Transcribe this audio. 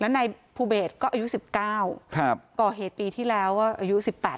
แล้วในภูเบสก็อายุสิบเก้าครับก่อเหตุปีที่แล้วว่าอายุสิบแปด